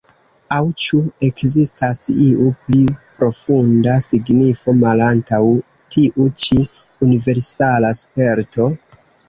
Aŭ ĉu ekzistas iu pli profunda signifo malantaŭ tiu ĉi universala sperto?